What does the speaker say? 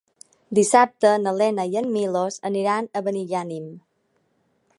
Dissabte na Lena i en Milos aniran a Benigànim.